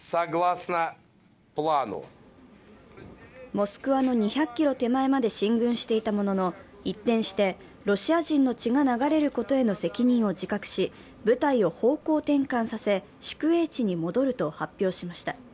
モスクワの２００ｋｍ手前まで進軍していたものの、一転してロシア人の血が流れることへの責任を自覚し、部隊を方向転換させ宿営地に戻ると発表しました。